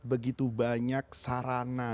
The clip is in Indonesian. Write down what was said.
begitu banyak sarana